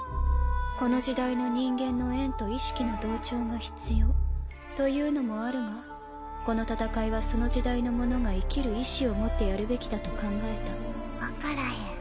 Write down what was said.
この時代の人間の縁と意識の同調が必要というのもあるがこの戦いはその時代の者が生きる意志を持ってやるべきだと考えた分からへん